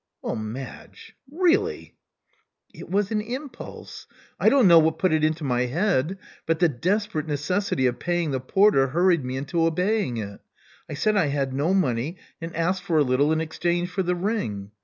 Well, Madge: really— r It was an impulse. I don't know what put it into my head; but the desperate necessity of paying the porter hurried me into obeying it. I said I had no money, and asked for a little in exchange for the ring.